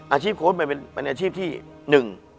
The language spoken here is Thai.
อาชีพโค้ชมันเป็นอาชีพที่หนึ่ง